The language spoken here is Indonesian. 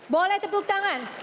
boleh tepuk tangan